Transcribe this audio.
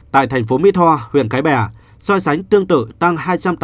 tại thành phố mỹ tho huyện cái bè so sánh tương tự tăng hai trăm tám mươi ba ba